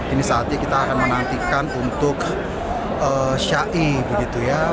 ini saatnya kita akan menantikan untuk syai